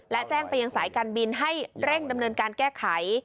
และแจ้งไปยังสายการบินให้เร่งดำเนินการแก้ไข